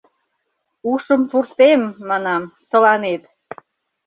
Ушым пуртем, манам, тыланет!